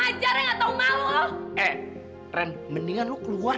eh jangan taruh ular